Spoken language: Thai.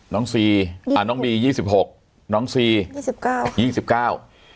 ซีอ่าน้องบียี่สิบหกน้องซียี่สิบเก้ายี่สิบเก้า